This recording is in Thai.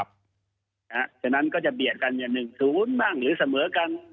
ครับฉะนั้นก็จะเบียดกันอย่างหนึ่งถือวุ้นบ้างหรือเสมอกัน